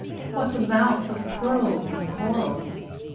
What 's a mouth of pearls and corals?